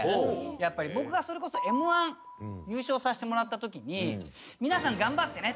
やっぱり僕がそれこそＭ−１優勝させてもらったときに「頑張ってね」